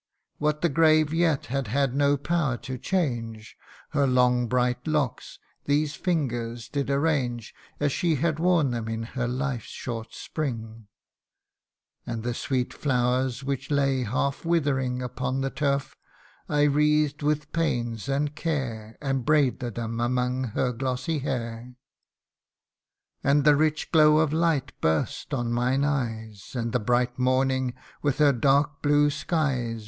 What the grave yet had had no power to change, Her long bright locks, these ringers did arrange As she had worn them in her life's short spring ; And the sweet flowers which lay half withering Upon the turf, I wreathed with pains and care, And braided them among her glossy hair. And the rich glow of light burst on mine eyes ; And the bright morning, with her dark blue skies, CANTO III.